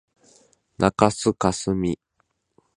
中須かすみ